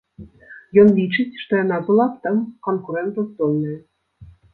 Ён лічыць, што яна была б там канкурэнтаздольная.